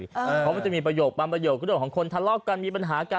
เพราะมันจะมีประโยคปรับประโยคของคนทะเลาะกันมีปัญหากัน